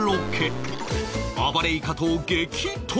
暴れイカと激闘